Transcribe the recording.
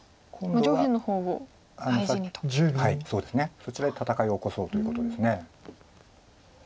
そちらで戦いを起こそうということです。